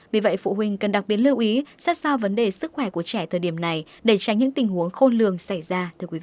vì vậy phụ huynh cần đặc biệt lưu ý sát sao vấn đề sức khỏe của trẻ thời điểm này để tránh những tình huống khôn lường xảy ra